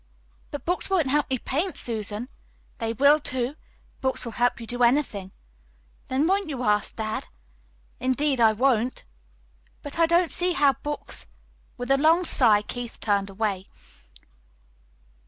"But books won't help me paint, Susan." "They will, too. Books will help you do anything." "Then you won't ask dad?" "Indeed, I won't." "But I don't see how books " With a long sigh Keith turned away.